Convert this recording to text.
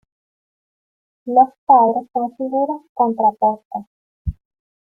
Los padres son figuras contrapuestas.